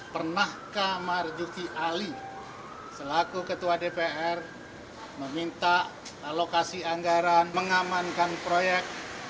pernahkah marzuki ali selaku ketua dpr meminta alokasi anggaran mengamankan proyek